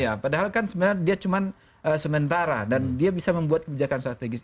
ya padahal kan sebenarnya dia cuma sementara dan dia bisa membuat kebijakan strategis